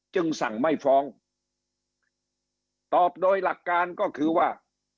จึงสั่งไม่ฟ้องตอบโดยหลักการก็คือว่า